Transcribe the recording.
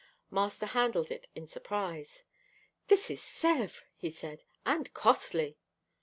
Master handled it in surprise. "This is Sèvres," he said, "and costly."